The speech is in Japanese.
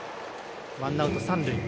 ワンアウト、三塁。